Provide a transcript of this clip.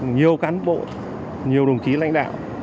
nhiều cán bộ nhiều đồng chí lãnh đạo